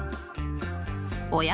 おや？